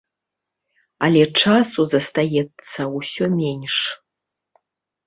Але часу застаецца ўсё менш.